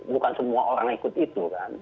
bukan semua orang ikut itu kan